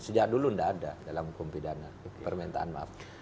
sejak dulu tidak ada dalam hukum pidana permintaan maaf